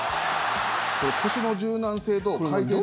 腰の柔軟性と回転軸が。